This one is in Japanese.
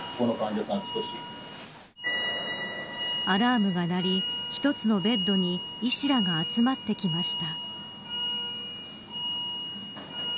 アラームが鳴り一つのベッドに医師らが集まってきました。